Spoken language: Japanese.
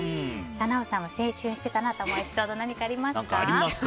奈緒さんは青春してたなと思うエピソード何かありますか？